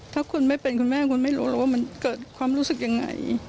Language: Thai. ถ้าคุณไม่เป็นคุณแม่คุณไม่รู้หรอกว่ามันเกิดความรู้สึกยังไง